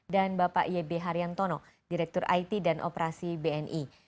dan bapak yebe haryantono direktur it dan operasi bni